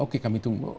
oke kami tunggu